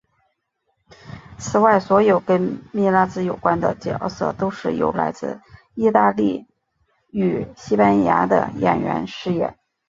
此外所有跟米拉兹有关的角色都是由来自义大利与西班牙的演员饰演。